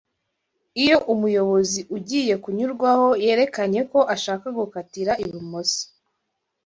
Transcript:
iyo umuyobozi ugiye kunyurwaho yerekanye ko ashaka gukatira ibumoso